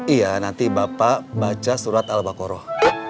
iya nanti bapak baca surat al baqarah